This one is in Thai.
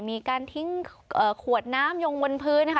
มีการทิ้งขวดน้ำลงบนพื้นนะคะ